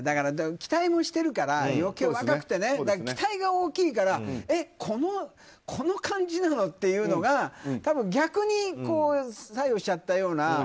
期待もしてるから余計、若くてね期待が大きいからこの感じなの？というのが多分、逆に作用しちゃったような。